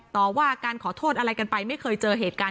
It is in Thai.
ต่อว่าการขอโทษอะไรกันไปไม่เคยเจอเหตุการณ์